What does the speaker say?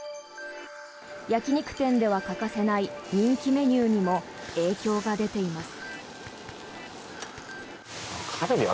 焼き肉店では欠かせない人気メニューにも影響が出ています。